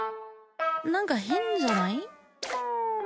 何か変じゃない？